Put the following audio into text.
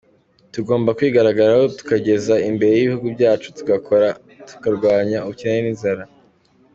Tugomba kwihagararaho tugateza imbere ibihugu byacu, tugakora tukarwanya ubukene n’inzara.”